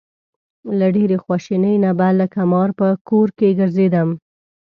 له ډېرې خواشینۍ نه به لکه مار په کور کې ګرځېدم.